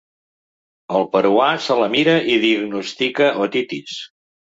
El peruà se la mira i diagnostica otitis.